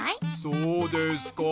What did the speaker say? そうですか。